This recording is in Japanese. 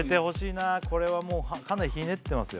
これはもうかなりひねってますよ